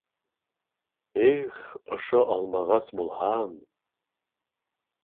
-Их, ошо алмағас булһам...